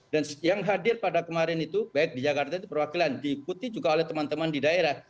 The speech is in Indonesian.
dan yang hadir pada kemarin itu baik di jakarta itu perwakilan diikuti juga oleh teman teman di daerah